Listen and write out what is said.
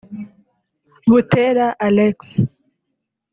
Butera Alex